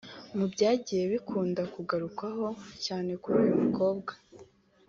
Mu byagiye bikunda kugarukwaho cyane kuri uyu mukobwa